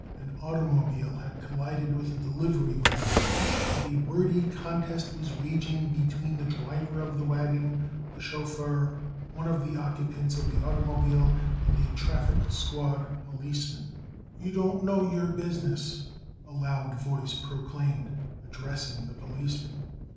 An automobile had collided with a delivery wagon, and a wordy contest was waging between the driver of the wagon, the chauffeur, one of the occupants of the automobile and a traffic squad policeman. "You don't know your business," a loud voice proclaimed, addressing the policeman.